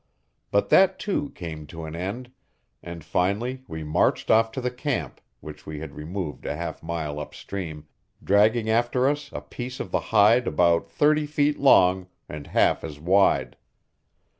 But that, too, came to an end, and finally we marched off to the camp, which we had removed a half mile upstream, dragging after us a piece of the hide about thirty feet long and half as wide.